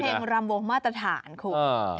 เป็นเพลงรำวงมาตรฐานครู